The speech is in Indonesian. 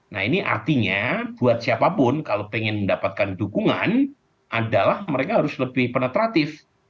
nah ini artinya buat siapapun kalau ingin mendapatkan dukungan adalah mereka harus lebih penetratif